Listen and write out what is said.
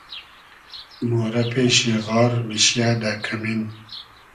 مورۂ پېشی غار میشیۂ دۂ کئمین